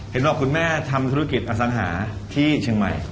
เห็นบอกคุณแม่ทำธุรกิจอสังหาที่เชียงใหม่